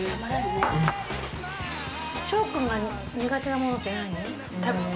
翔くんが苦手なものって何？